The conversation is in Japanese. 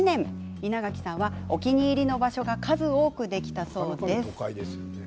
稲垣さんは、お気に入りの場所が数多くできたそうです。